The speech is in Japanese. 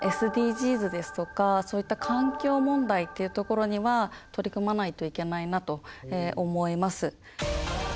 ＳＤＧｓですとかそういった環境問題っていうところには取り組まないといけないなと思います。